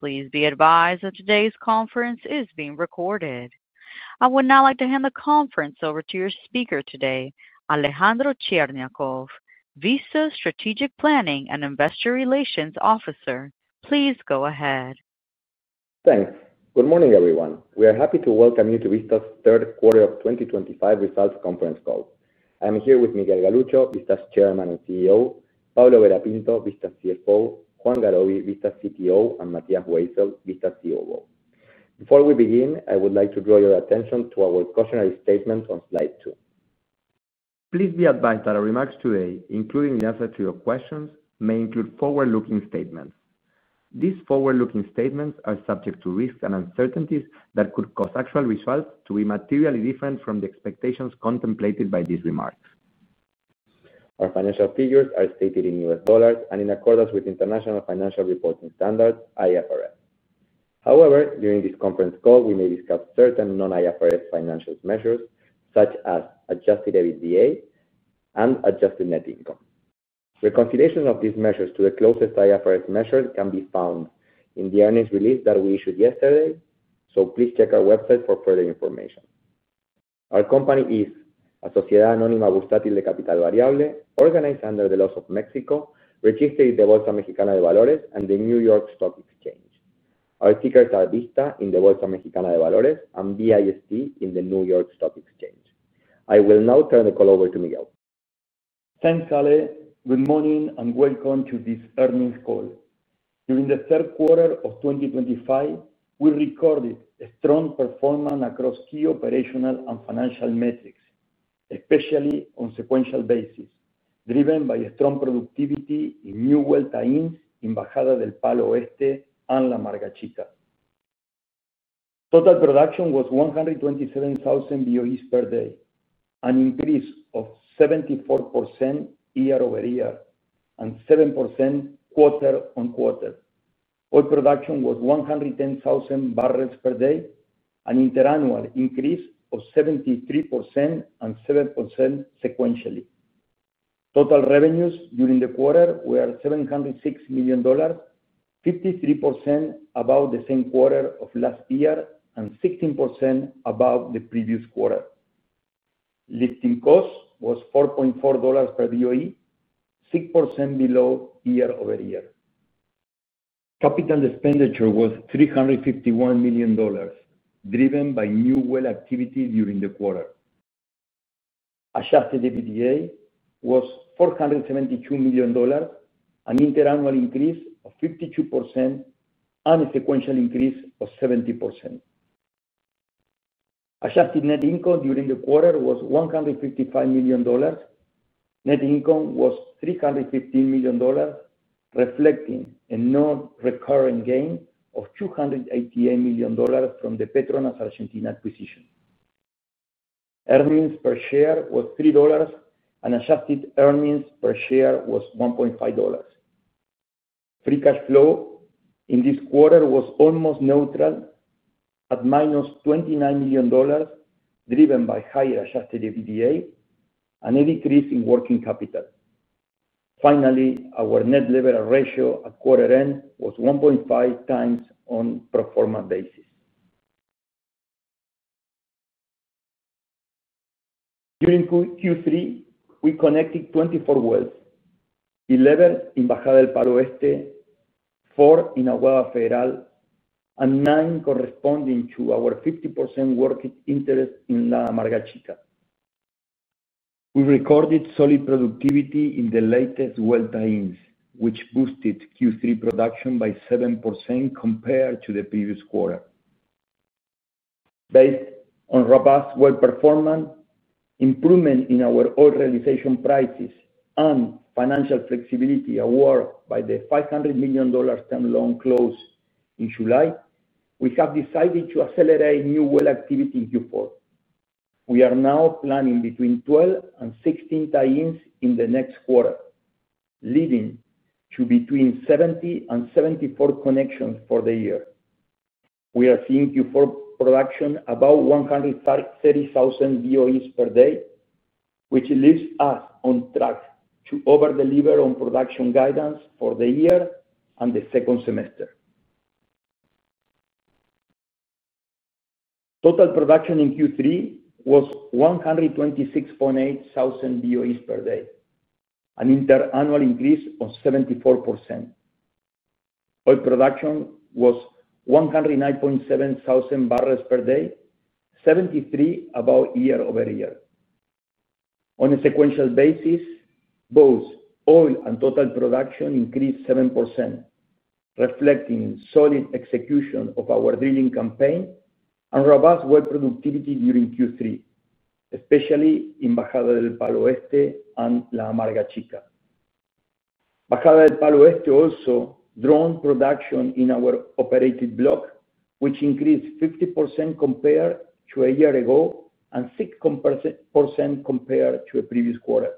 Please be advised that today's conference is being recorded. I would now like to hand the conference over to your speaker today, Alejandro Cherñacov, Vista's Strategic Planning and Investor Relations Officer. Please go ahead. Thanks. Good morning, everyone. We are happy to welcome you to Vista's third quarter of 2025 results conference call. I am here with Miguel Galuccio, Vista's Chairman and CEO, Pablo Vera Pinto, Vista's CFO, Juan Garoby, Vista's CTO, and Matías Weissel, Vista's COO. Before we begin, I would like to draw your attention to our cautionary statement on slide two. Please be advised that our remarks today, including in answer to your questions, may include forward-looking statements. These forward-looking statements are subject to risks and uncertainties that could cause actual results to be materially different from the expectations contemplated by these remarks. Our financial figures are stated in US dollars and in accordance with International Financial Reporting Standards, IFRS. However, during this conference call, we may discuss certain non-IFRS financial measures such as adjusted EBITDA and adjusted net income. Reconciliation of these measures to the closest IFRS measures can be found in the earnings release that we issued yesterday, so please check our website for further information. Our company is Asociación Anónima Bursátil de Capital Variable, organized under the laws of Mexico, registered in the Bolsa Mexicana de Valores and the New York Stock Exchange. Our tickers are VISTA in the Bolsa Mexicana de Valores and VIST in the New York Stock Exchange. I will now turn the call over to Miguel. Thanks, Ale. Good morning and welcome to this earnings call. During the third quarter of 2025, we recorded a strong performance across key operational and financial metrics, especially on a sequential basis, driven by strong productivity in new well tie-ins, in Bajada del Palo Oeste, and La Amarga Chica. Total production was 127,000 BOEs per day, an increase of 74% year-over-year and 7% quarter-on-quarter. Oil production was 110,000 barrels per day, an interannual increase of 73% and 7% sequentially. Total revenues during the quarter were $706 million, 53% above the same quarter of last year and 16% above the previous quarter. Lifting cost was $4.4 per BOE, 6% below year-over-year. Capital expenditure was $351 million, driven by new well activity during the quarter. Adjusted EBITDA was $472 million, an interannual increase of 52% and a sequential increase of 70%. Adjusted net income during the quarter was $155 million. Net income was $315 million, reflecting a non-recurring gain of $288 million from the PETRONAS Argentina acquisition. Earnings per share was $3, and adjusted earnings per share was $1.5. Free cash flow in this quarter was almost neutral at minus $29 million, driven by higher adjusted EBITDA and a decrease in working capital. Finally, our net leverage ratio at quarter end was 1.5x on a performance basis. During Q3, we connected 24 wells: 11 in Bajada del Palo Oeste, 4 in Aguada Federal, and 9 corresponding to our 50% working interest in La Amarga Chica. We recorded solid productivity in the latest well tie-ins which boosted Q3 production by 7% compared to the previous quarter. Based on robust well performance, improvement in our oil realization prices, and financial flexibility awarded by the $500 million term loan closed in July, we have decided to accelerate new well activity in Q4. We are now planning between 12 and 16 tie-ins in the next quarter, leading to between 70 and 74 connections for the year. We are seeing Q4 production about 130,000 BOEs per day, which leaves us on track to over-deliver on production guidance for the year and the second semester. Total production in Q3 was 126.8 thousand BOEs per day, an interannual increase of 74%. Oil production was 109.7 thousand barrels per day, 73% above year-over-year. On a sequential basis, both oil and total production increased 7%, reflecting solid execution of our drilling campaign and robust well productivity during Q3, especially in Bajada del Palo Oeste and La Amarga Chica. Bajada del Palo Oeste also drove production in our operated block, which increased 50% compared to a year ago and 6% compared to the previous quarter.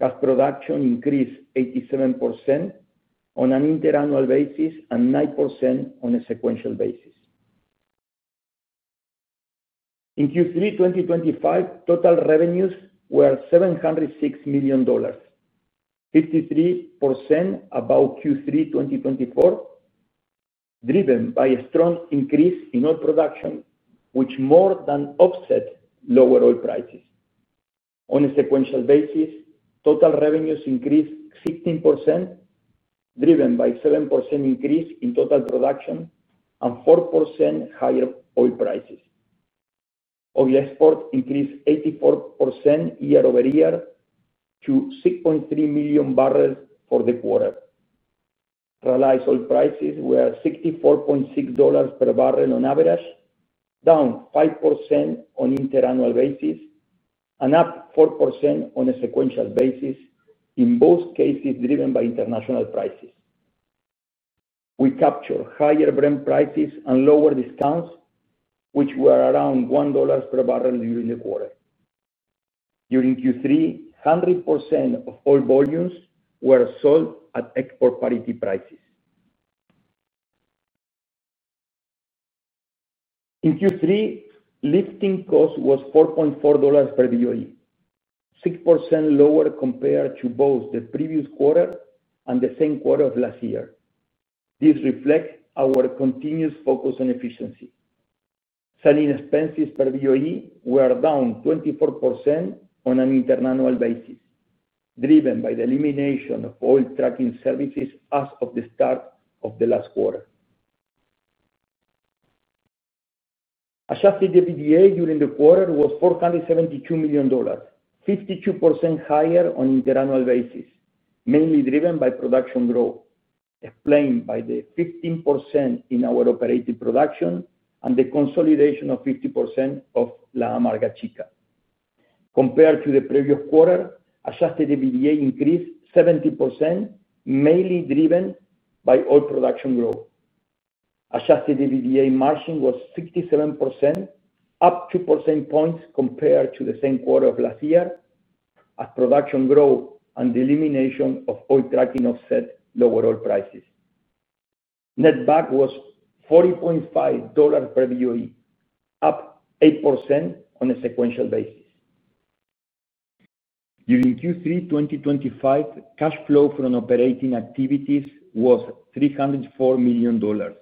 Gas production increased 87% on an interannual basis and 9% on a sequential basis. In Q3 2025, total revenues were $706 million, 53% above Q3 2024, driven by a strong increase in oil production, which more than offset lower oil prices. On a sequential basis, total revenues increased 16%, driven by a 7% increase in total production and 4% higher oil prices. Oil exports increased 84% year-over-year to 6.3 million barrels for the quarter. Realized oil prices were $64.6 per barrel on average, down 5% on an interannual basis and up 4% on a sequential basis, in both cases driven by international prices. We captured higher Brent prices and lower discounts, which were around $1 per barrel during the quarter. During Q3, 100% of oil volumes were sold at export parity prices. In Q3, lifting cost was $4.4 per BOE, 6% lower compared to both the previous quarter and the same quarter of last year. This reflects our continuous focus on efficiency. Selling expenses per BOE were down 24% on an interannual basis, driven by the elimination of oil trucking services as of the start of the last quarter. Adjusted EBITDA during the quarter was $472 million, 52% higher on an interannual basis, mainly driven by production growth, explained by the 15% in our operated production and the consolidation of 50% of La Amarga Chica. Compared to the previous quarter, adjusted EBITDA increased 70%, mainly driven by oil production growth. Adjusted EBITDA margin was 67%, up 2 percentage points compared to the same quarter of last year, as production growth and the elimination of oil trucking offset lower oil prices. Net VAC was $40.5 per BOE, up 8% on a sequential basis. During Q3 2025, cash flow from operating activities was $304 million,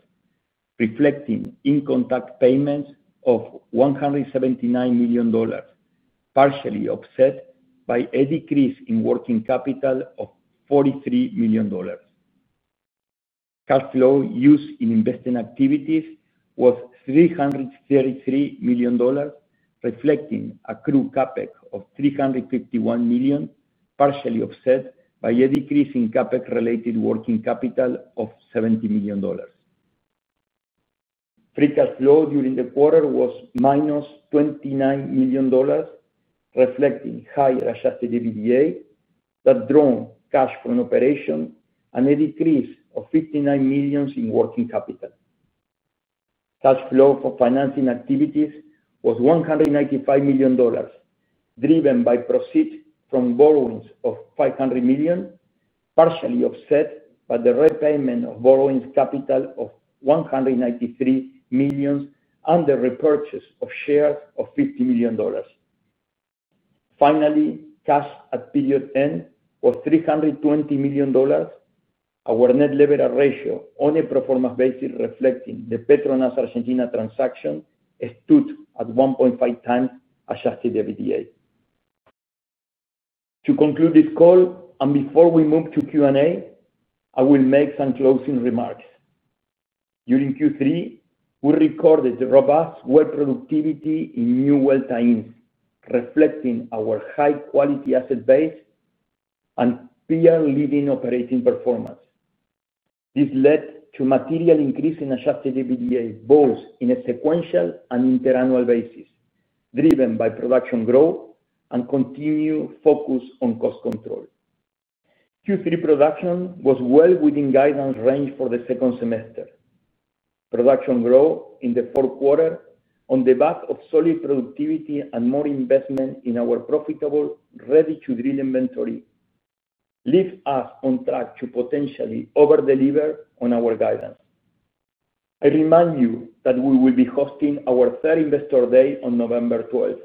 reflecting in-contract payments of $179 million, partially offset by a decrease in working capital of $43 million. Cash flow used in investing activities was $333 million, reflecting accrued CapEx of $351 million, partially offset by a decrease in CapEx-related working capital of $70 million. Free cash flow during the quarter was -$29 million, reflecting higher adjusted EBITDA that drove cash from operations and a decrease of $59 million in working capital. Cash flow for financing activities was $195 million, driven by proceeds from borrowings of $500 million, partially offset by the repayment of borrowing capital of $193 million and the repurchase of shares of $50 million. Finally, cash at period end was $320 million. Our net leverage ratio on a performance basis, reflecting the PETRONAS Argentina transaction, stood at 1.5x adjusted EBITDA. To conclude this call and before we move to Q&A, I will make some closing remarks. During Q3, we recorded robust well productivity in new well tie-ins, reflecting our high-quality asset base and clear leading operating performance. This led to a material increase in adjusted EBITDA, both on a sequential and interannual basis, driven by production growth and continued focus on cost control. Q3 production was well within guidance range for the second semester. Production growth in the fourth quarter, on the back of solid productivity and more investment in our profitable, ready-to-drill inventory, leaves us on track to potentially over-deliver on our guidance. I remind you that we will be hosting our third Investor Day on November 12.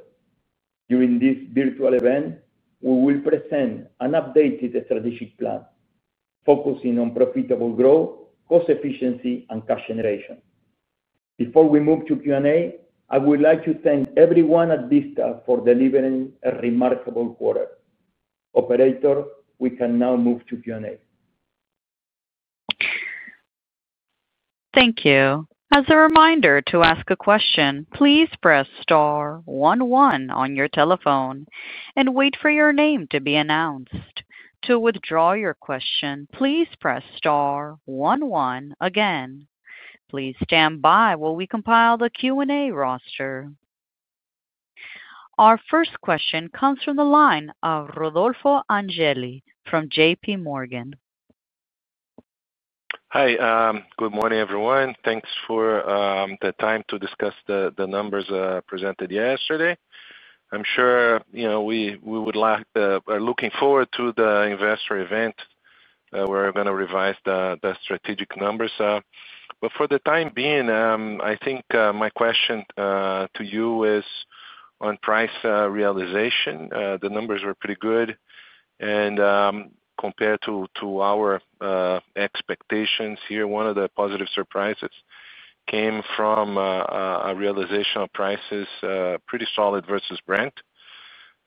During this virtual event, we will present an updated strategic plan, focusing on profitable growth, cost efficiency, and cash generation. Before we move to Q&A, I would like to thank everyone at Vista for delivering a remarkable quarter. Operator, we can now move to Q&A. Thank you. As a reminder, to ask a question, please press star 11 on your telephone and wait for your name to be announced. To withdraw your question, please press star 11 again. Please stand by while we compile the Q&A roster. Our first question comes from the line of Rodolfo Angele from JPMorgan. Hi. Good morning, everyone. Thanks for the time to discuss the numbers presented yesterday. I'm sure you know we would like to look forward to the Investor Day event where we're going to revise the strategic numbers. For the time being, I think my question to you is on price realization. The numbers were pretty good, and compared to our expectations here, one of the positive surprises came from a realization of prices pretty solid versus Brent.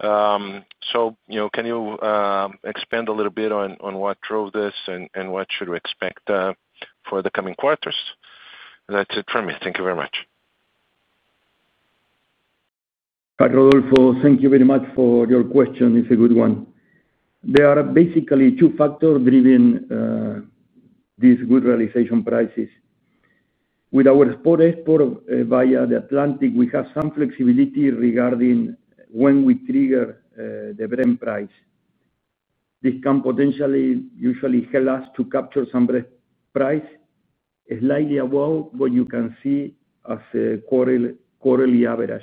Can you expand a little bit on what drove this and what should we expect for the coming quarters? That's it for me. Thank you very much. Rodolfo, thank you very much for your question. It's a good one. There are basically two factors driving these good realization prices. With our spot export via the Atlantic, we have some flexibility regarding when we trigger the Brent price. This can potentially usually help us to capture some Brent price slightly above what you can see as a quarterly average.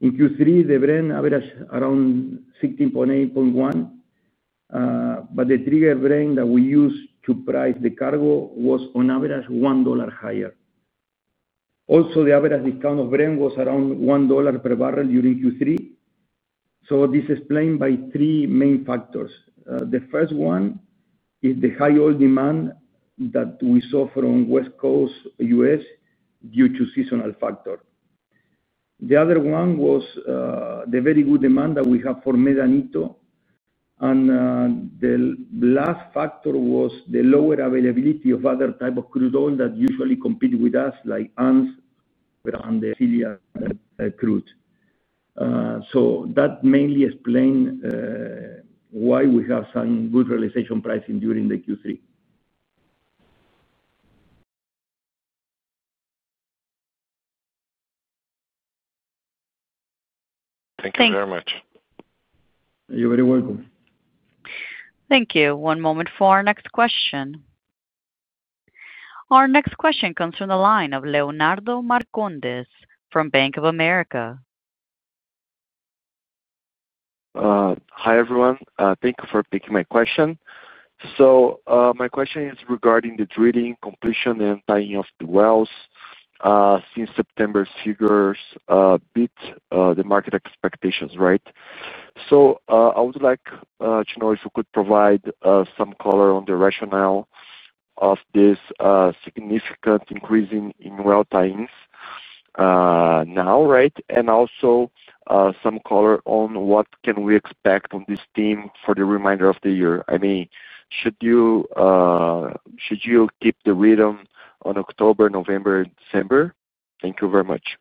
In Q3, the Brent averaged around [$86.81], but the trigger Brent that we used to price the cargo was on average $1 higher. Also, the average discount of Brent was around $1 per barrel during Q3. This is explained by three main factors. The first one is the high oil demand that we saw from West Coast U.S. due to the seasonal factor. The other one was the very good demand that we have for Medanito. The last factor was the lower availability of other types of crude oil that usually compete with us, like [ENS, Brent, and the Silvia] crude. That mainly explains why we have some good realization pricing during Q3. Thank you very much. You're very welcome. Thank you. One moment for our next question. Our next question comes from the line of Leonardo Marcondes from Bank of America. Hi, everyone. Thank you for taking my question. My question is regarding the drilling, completion, and tie-in of the wells. Since September's figures beat the market expectations, right? I would like to know if you could provide some color on the rationale of this significant increase in well times now, right? Also, some color on what can we expect on this theme for the remainder of the year. I mean, should you keep the rhythm on October, November, and December? Thank you very much.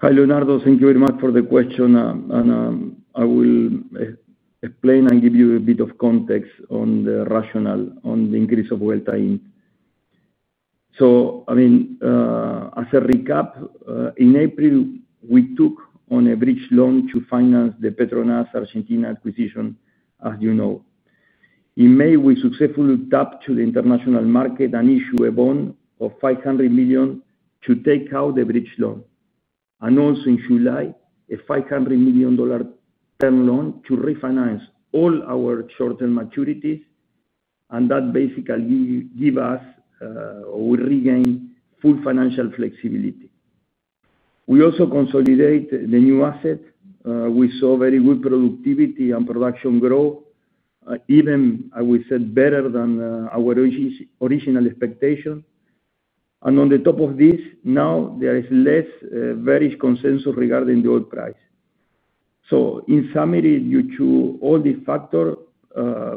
Hi, Leonardo. Thank you very much for the question. I will explain and give you a bit of context on the rationale on the increase of well times. As a recap, in April, we took on a bridge loan to finance the PETRONAS Argentina acquisition, as you know. In May, we successfully tapped the international market and issued a bond of $500 million to take out the bridge loan. Also, in July, a $500 million term loan to refinance all our short-term maturities. That basically gave us, or we regained, full financial flexibility. We also consolidated the new assets. We saw very good productivity and production growth, even, I would say, better than our original expectation. On top of this, now there is less very consensus regarding the oil price. In summary, due to all these factors,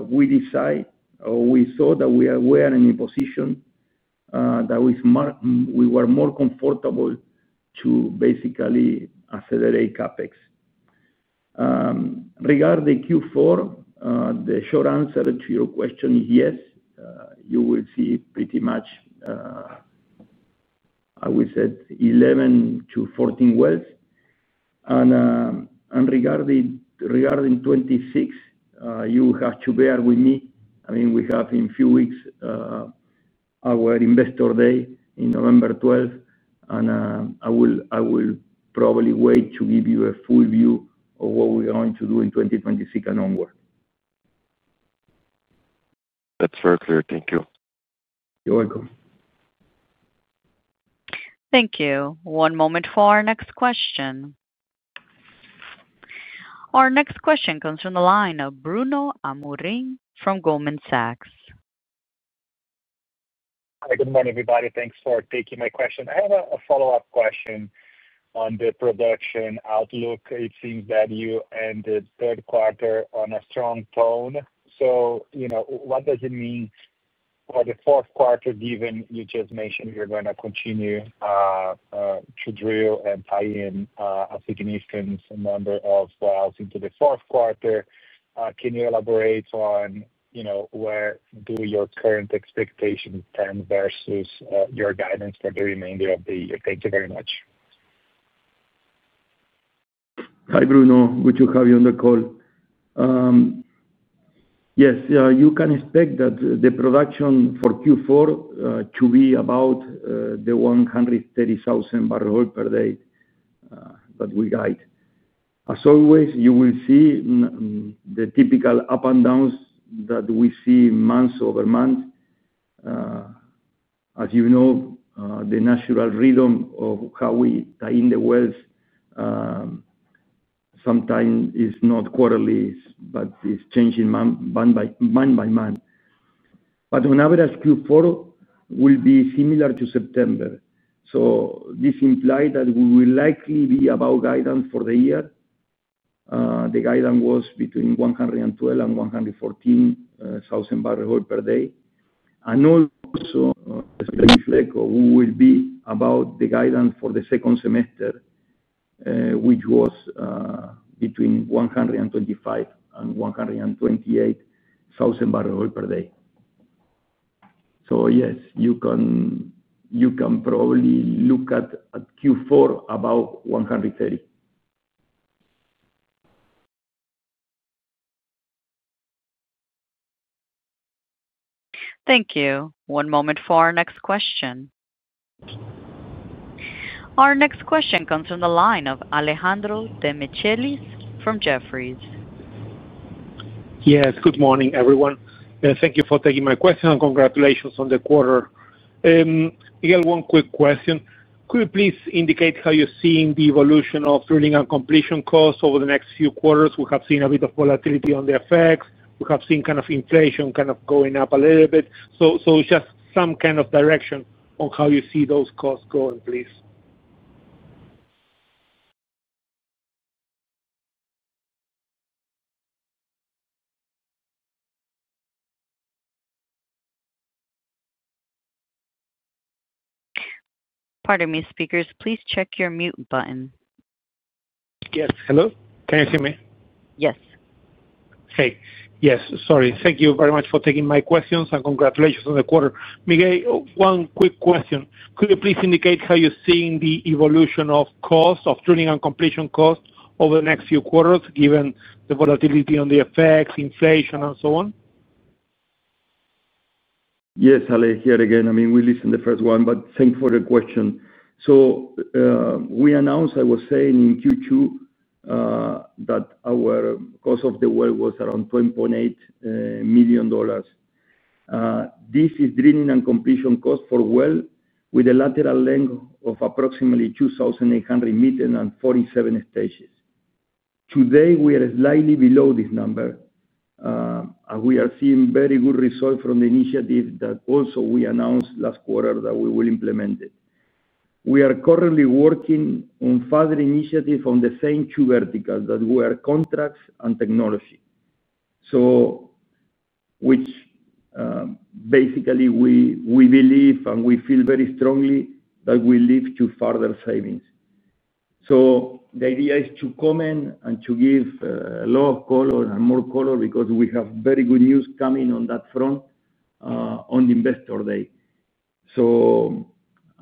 we decide, or we saw that we were in a position that we were more comfortable to basically accelerate CapEx. Regarding the Q4, the short answer to your question is yes. You will see pretty much, I would say, 11-14 wells. Regarding 2026, you will have to bear with me. We have in a few weeks our Investor Day on November 12. I will probably wait to give you a full view of what we're going to do in 2026 and onward. That's very clear. Thank you. You're welcome. Thank you. One moment for our next question. Our next question comes from the line of Bruno Amorim from Goldman Sachs. Hi. Good morning, everybody. Thanks for taking my question. I have a follow-up question on the production outlook. It seems that you ended the third quarter on a strong tone. What does it mean for the fourth quarter, given you just mentioned you're going to continue to drill and tie in a significant number of wells into the fourth quarter? Can you elaborate on where do your current expectations stand versus your guidance for the remainder of the year? Thank you very much. Hi, Bruno. Good to have you on the call. Yes, you can expect that the production for Q4 to be about the 130,000 bpd that we guide. As always, you will see the typical ups and downs that we see month over month. As you know, the natural rhythm of how we tie in the wells sometimes is not quarterly, but it's changing month by month. On average, Q4 will be similar to September. This implies that we will likely be above guidance for the year. The guidance was between 112,000 bpd and 114,000 bpd. Also, as I reflect, we will be above the guidance for the second semester, which was between 125,000 bpd and 128,000 bpd. Yes, you can probably look at Q4 about 130,000. Thank you. One moment for our next question. Our next question comes from the line of Alejandro Demichelis from Jefferies. Yes. Good morning, everyone. Thank you for taking my question and congratulations on the quarter. I got one quick question. Could you please indicate how you're seeing the evolution of drilling and completion costs over the next few quarters? We have seen a bit of volatility on the FX. We have seen inflation going up a little bit. Just some direction on how you see those costs going, please. Pardon me, speakers. Please check your mute button. Yes. Hello, can you see me? Yes. Yes. Sorry. Thank you very much for taking my questions and congratulations on the quarter. Miguel, one quick question. Could you please indicate how you're seeing the evolution of cost of drilling and completion costs over the next few quarters, given the volatility on the FX, inflation, and so on? Yes, Ale, here again. I mean, we listened to the first one, but thanks for the question. We announced, as I was saying, in Q2 that our cost of the well was around $20.8 million. This is drilling and completion costs for a well with a lateral length of approximately 2,800 m and 47 stages. Today, we are slightly below this number. We are seeing very good results from the initiative that we also announced last quarter that we would implement. We are currently working on further initiatives on the same two verticals that were contracts and technology, which basically we believe and we feel very strongly that will lead to further savings. The idea is to comment and to give a lot of color and more color because we have very good news coming on that front on the Investor Day.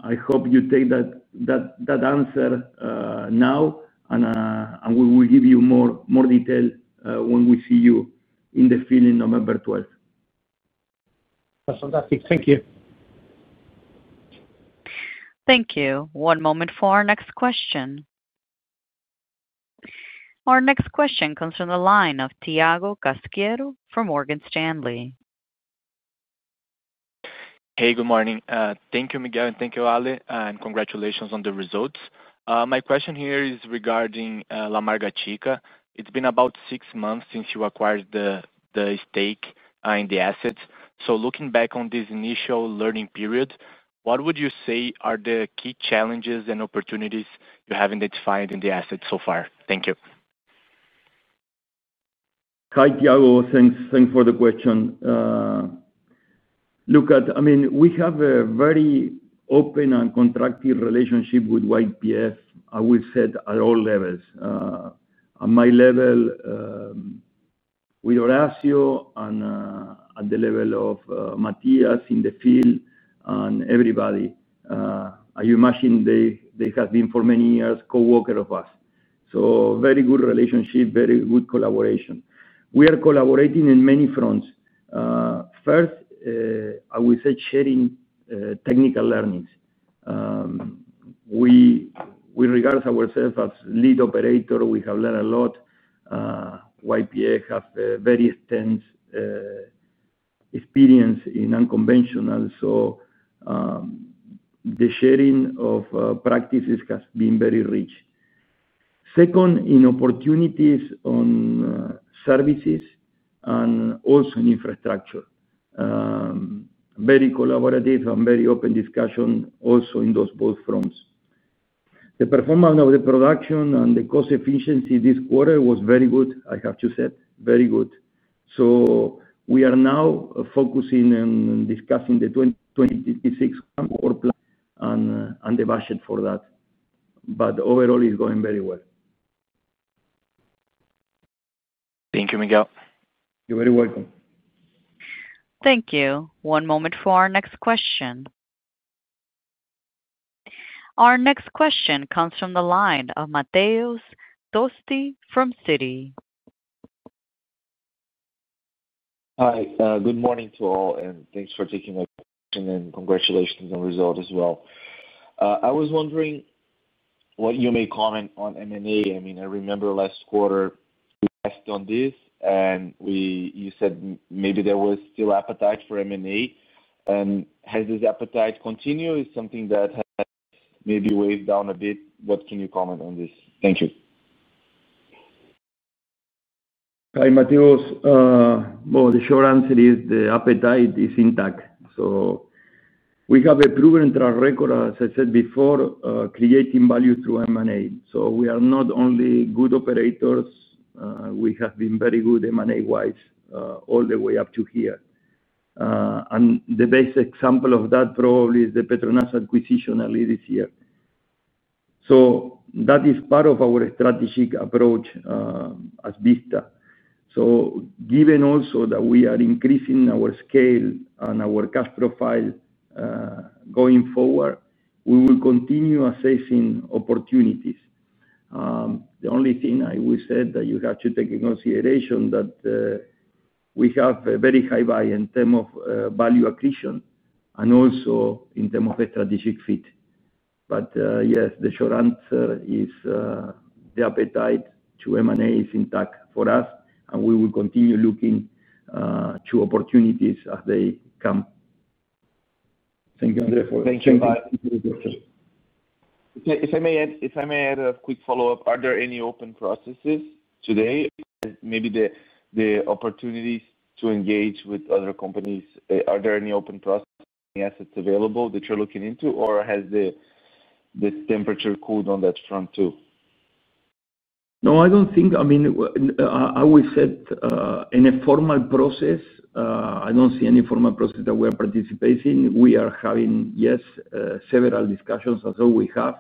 I hope you take that answer now, and we will give you more detail when we see you in the field on November 12. That's fantastic. Thank you. Thank you. One moment for our next question. Our next question comes from the line of Thiago Casqueiro from Morgan Stanley. Hey. Good morning. Thank you, Miguel, and thank you, Ale, and congratulations on the results. My question here is regarding La Amarga Chica. It's been about six months since you acquired the stake in the assets. Looking back on this initial learning period, what would you say are the key challenges and opportunities you have identified in the assets so far? Thank you. Hi, Thiago. Thanks for the question. Look, I mean, we have a very open and contracted relationship with YPF, I would say, at all levels. At my level with Horacio and at the level of Matías in the field and everybody. I imagine they have been for many years coworkers of us. Very good relationship, very good collaboration. We are collaborating on many fronts. First, I would say sharing technical learnings. We regard ourselves as lead operators. We have learned a lot. YPF has a very extensive experience in unconventional, so the sharing of practices has been very rich. Second, in opportunities on services and also in infrastructure. Very collaborative and very open discussion also in those both fronts. The performance of the production and the cost efficiency this quarter was very good, I have to say, very good. We are now focusing on discussing the 2026 work plan and the budget for that. Overall, it's going very well. Thank you, Miguel. You're very welcome. Thank you. One moment for our next question. Our next question comes from the line of [Matías Tosti] from Citi. Hi. Good morning to all, and thanks for taking my question and congratulations on the results as well. I was wondering what you may comment on M&A. I mean, I remember last quarter we tested on this, and you said maybe there was still appetite for M&A. Has this appetite continued? Is it something that has maybe weighed down a bit? What can you comment on this? Thank you. Hi, [Matías]. The short answer is the appetite is intact. We have a proven track record, as I said before, creating value through M&A. We are not only good operators. We have been very good M&A-wise all the way up to here. The best example of that probably is the PETRONAS acquisition early this year. That is part of our strategic approach as Vista. Given also that we are increasing our scale and our cash profile going forward, we will continue assessing opportunities. The only thing I would say that you have to take into consideration is that we have a very high value in terms of value acquisition and also in terms of a strategic fit. Yes, the short answer is the appetite to M&A is intact for us, and we will continue looking to opportunities as they come. [Thank you, Matías, for your question.] If I may add a quick follow-up, are there any open processes today? Maybe the opportunities to engage with other companies, are there any open processes and assets available that you're looking into, or has the temperature cooled on that front too? No, I don't think. I mean, I would say in a formal process, I don't see any formal process that we are participating in. We are having, yes, several discussions as all we have.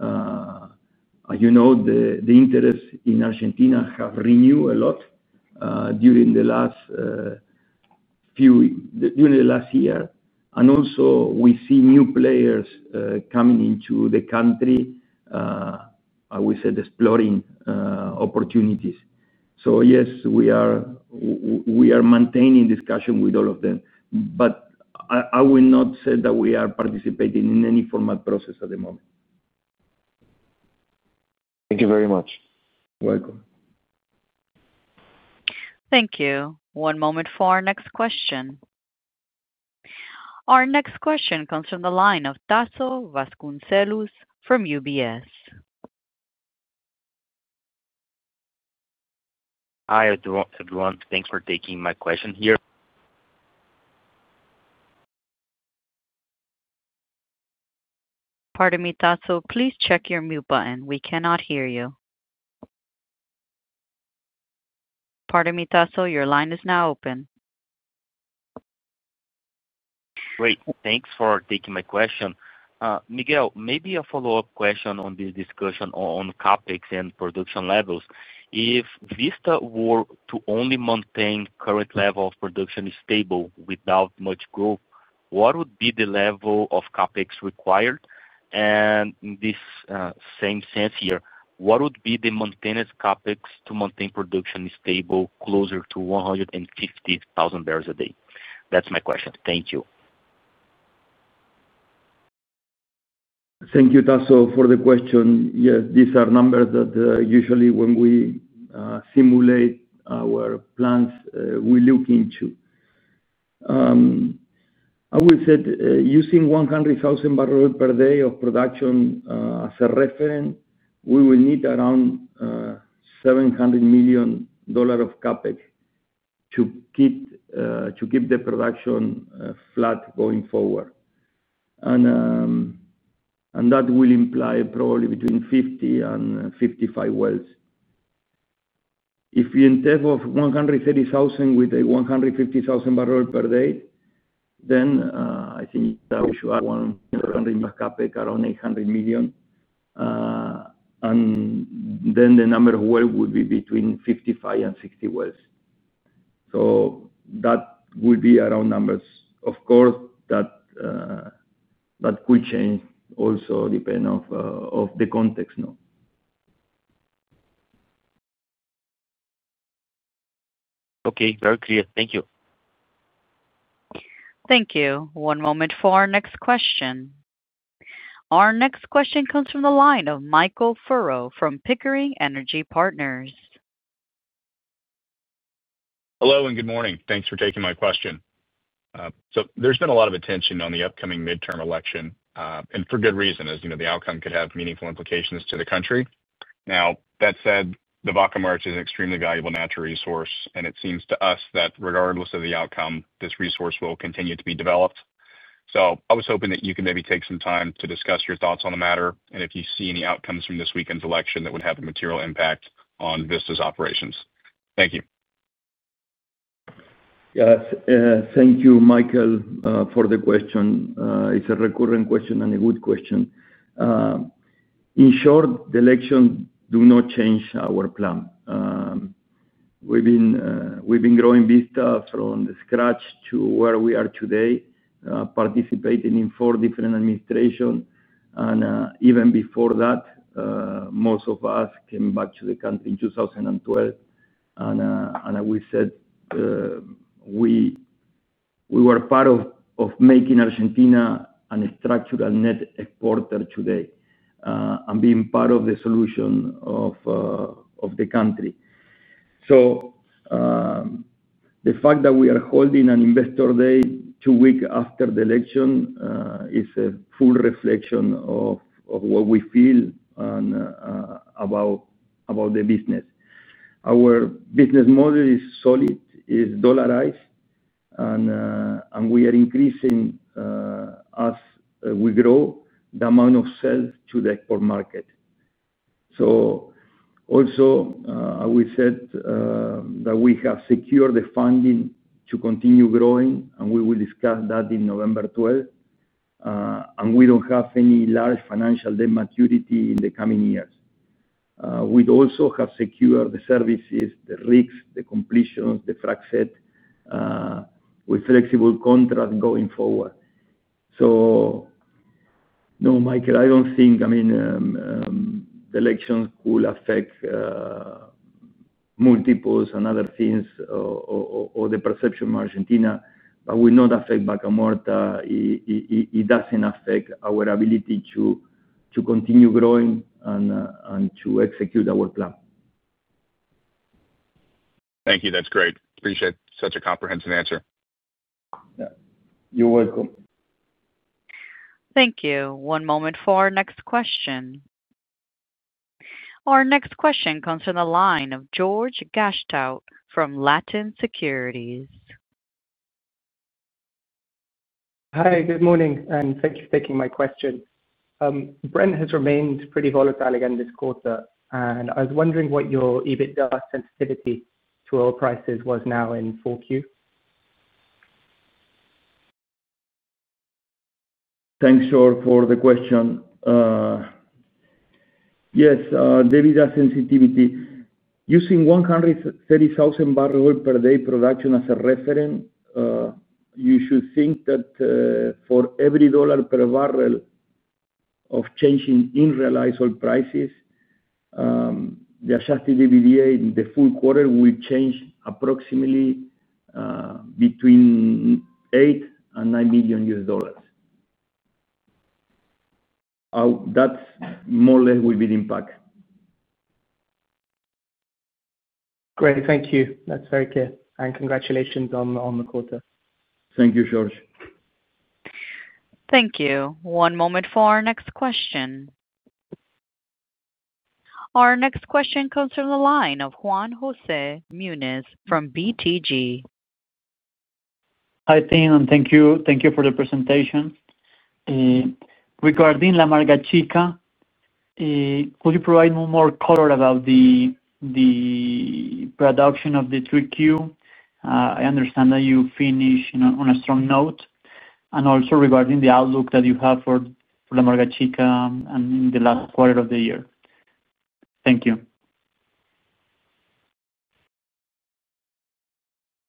As you know, the interest in Argentina has renewed a lot during the last year. We see new players coming into the country, I would say, exploring opportunities. Yes, we are maintaining discussion with all of them. I will not say that we are participating in any formal process at the moment. Thank you very much. You're welcome. Thank you. One moment for our next question. Our next question comes from the line of Tasso Vasconcellos from UBS. Hi, everyone. Thanks for taking my question here. Pardon me, Tasso. Please check your mute button. We cannot hear you. Your line is now open. Great. Thanks for taking my question. Miguel, maybe a follow-up question on this discussion on CapEx and production levels. If Vista were to only maintain the current level of production stable without much growth, what would be the level of CapEx required? In this same sense here, what would be the maintenance CapEx to maintain production stable closer to 150,000 barrels a day? That's my question. Thank you. Thank you, Tasso, for the question. Yes, these are numbers that usually when we simulate our plans, we look into. I would say using 100,000 bpd of production as a reference, we will need around $700 million of CapEx to keep the production flat going forward. That will imply probably between 50 and 55 wells. If you instead of 130,000 bpd with 150,000 bpd, I think that we should have a CapEx around $800 million. The number of wells would be between 55 and 60 wells. That would be around numbers. Of course, that could change also depending on the context. Okay. Very clear. Thank you. Thank you. One moment for our next question. Our next question comes from the line of Michael Furrow from Pickering Energy Partners. Hello, and good morning. Thanks for taking my question. There's been a lot of attention on the upcoming midterm election, and for good reason, as you know, the outcome could have meaningful implications to the country. That said, the Vaca Muerta is an extremely valuable natural resource, and it seems to us that regardless of the outcome, this resource will continue to be developed. I was hoping that you could maybe take some time to discuss your thoughts on the matter and if you see any outcomes from this weekend's election that would have a material impact on Vista's operations. Thank you. Yes. Thank you, Michael, for the question. It's a recurring question and a good question. In short, the elections do not change our plan. We've been growing Vista from scratch to where we are today, participating in four different administrations. Even before that, most of us came back to the country in 2012. I would say we were part of making Argentina a structural net exporter today and being part of the solution of the country. The fact that we are holding an Investor Day two weeks after the election is a full reflection of what we feel about the business. Our business model is solid, is dollarized, and we are increasing, as we grow, the amount of sales to the export market. I would also say that we have secured the funding to continue growing, and we will discuss that on November 12. We don't have any large financial debt maturity in the coming years. We also have secured the services, the rigs, the completions, the frac set with flexible contracts going forward. No, Michael, I don't think, I mean, the elections could affect multiples and other things or the perception of Argentina, but we're not affecting Vaca Muerta. It doesn't affect our ability to continue growing and to execute our plan. Thank you. That's great. Appreciate such a comprehensive answer. You're welcome. Thank you. One moment for our next question. Our next question comes from the line of George Gasztowtt from Latin Securities. Hi. Good morning, and thanks for taking my question. Brent has remained pretty volatile again this quarter. I was wondering what your EBITDA sensitivity to oil prices was now in 4Q. Thanks, George, for the question. Yes, EBITDA sensitivity. Using 130,000 bpd production as a reference, you should think that for every dollar per barrel of change in realized oil prices, the adjusted EBITDA in the full quarter will change approximately between $8 million and $9 million. That's more or less will be the impact. Great. Thank you. That's very clear. Congratulations on the quarter. Thank you, George. Thank you. One moment for our next question. Our next question comes from the line of Juan José Muñoz from BTG. Hi, team, and thank you. Thank you for the presentation. Regarding La Amarga Chica, could you provide more color about the production of the 3Q? I understand that you finished on a strong note. Also, regarding the outlook that you have for La Amarga Chica in the last quarter of the year. Thank you.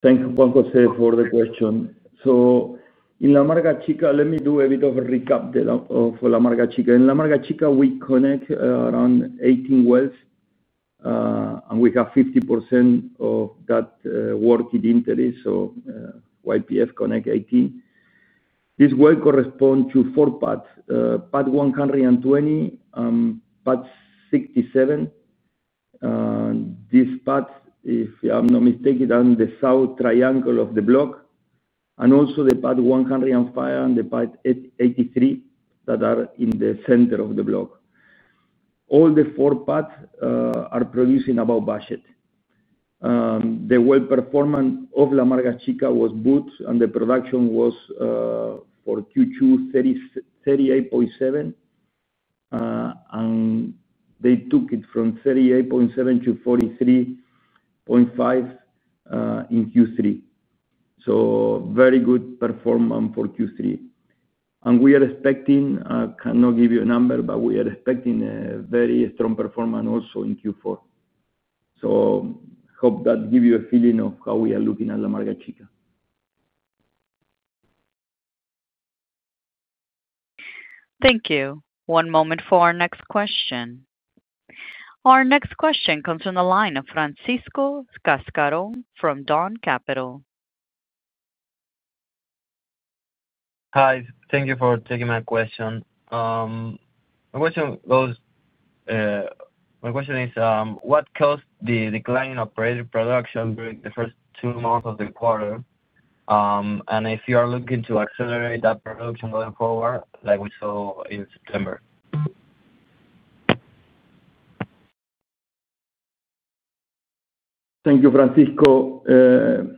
Thank you, Juan José, for the question. In La Amarga Chica, let me do a bit of a recap of La Amarga Chica. In La Amarga Chica, we connect around 18 wells, and we have 50% of that working interest. YPF connects 18. This well corresponds to four pads: pad 120, pad 67, and this pad, if I'm not mistaken, is on the south triangle of the block, and also the pad 105 and the pad 83 that are in the center of the block. All the four pads are producing above budget. The well performance of La Amarga Chica was good, and the production was for Q2 38.7. They took it from 38.7 to 43.5 in Q3. Very good performance for Q3. We are expecting, I cannot give you a number, but we are expecting a very strong performance also in Q4. I hope that gives you a feeling of how we are looking at La Amarga Chica. Thank you. One moment for our next question. Our next question comes from the line of Francisco Cascarón from DON Capital. Hi. Thank you for taking my question. My question is, what caused the decline in operator production during the first two months of the quarter? If you are looking to accelerate that production going forward, like we saw in September. Thank you, Francisco.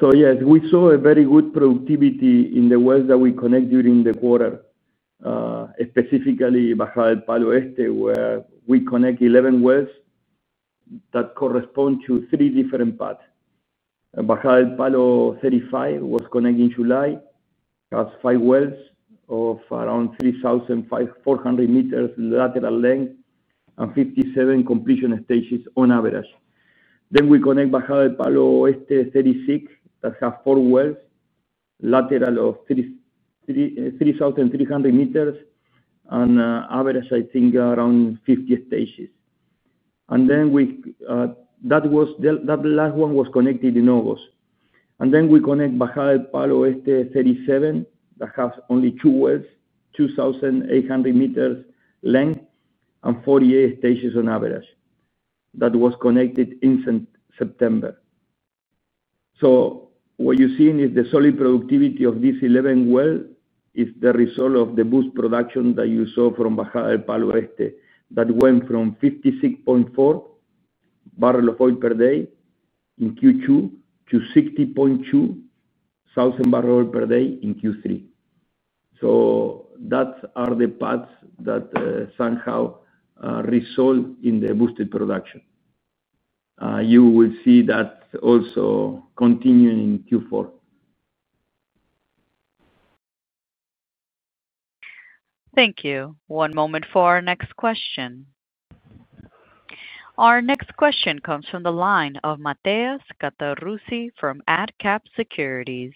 Yes, we saw very good productivity in the wells that we connected during the quarter, specifically Bajada del Palo Oeste, where we connected 11 wells that correspond to three different paths. Bajada del Palo 35 was connected in July, has five wells of around 3,400 m lateral length and 57 completion stages on average. We connected Bajada del Palo Oeste 36 that has four wells, lateral of 3,300 m, and average, I think, around 50 stages. That last one was connected in August. We connected Bajada del Palo Oeste 37 that has only two wells, 2,800 m length and 48 stages on average, that was connected in September. What you're seeing is the solid productivity of these 11 wells is the result of the boost in production that you saw from Bajada del Palo Oeste that went from 56.4 thousand barrels of oil per day in Q2 to 60.2 thousand barrels per day in Q3. That's the path that somehow resulted in the boosted production. You will see that also continuing in Q4. Thank you. One moment for our next question. Our next question comes from the line of Matías Cattaruzzi from Adcap Securities.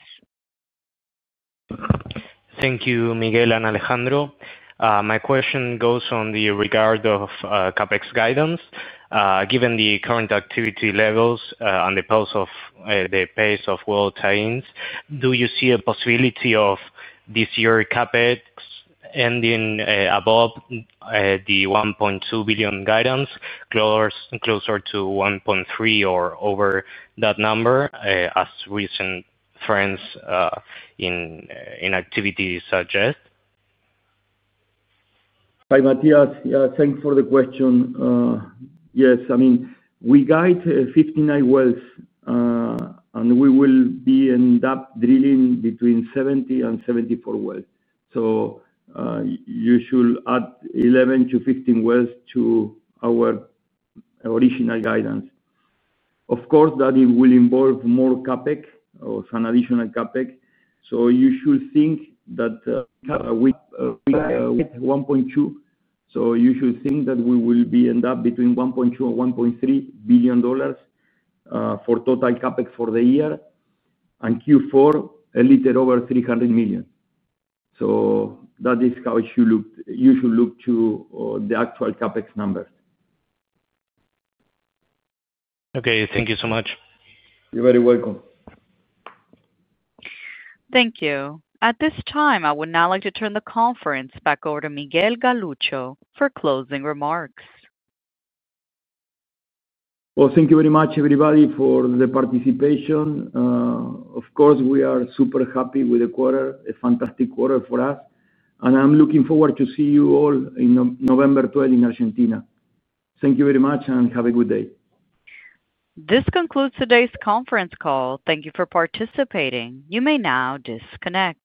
Thank you, Miguel and Alejandro. My question goes on the regard of CapEx guidance. Given the current activity levels and the pace of well tie-ins, do you see a possibility of this year CapEx ending above the $1.2 billion guidance, closer to $1.3 billion or over that number as recent trends in activity suggest? Hi, Matías. Yeah, thanks for the question. Yes, I mean, we guide 59 wells, and we will be in depth drilling between 70 and 74 wells. You should add 11-15 wells to our original guidance. Of course, that will involve more CapEx or some additional CapEx. You should think that we [guide] $1.2 billion. You should think that we will be in depth between $1.2 and $1.3 billion for total CapEx for the year. Q4, a little over $300 million. That is how you should look to the actual CapEx numbers. Okay, thank you so much. You're very welcome. Thank you. At this time, I would now like to turn the conference back over to Miguel Galuccio for closing remarks. Thank you very much, everybody, for the participation. Of course, we are super happy with the quarter. A fantastic quarter for us. I'm looking forward to seeing you all on November 12 in Argentina. Thank you very much, and have a good day. This concludes today's conference call. Thank you for participating. You may now disconnect.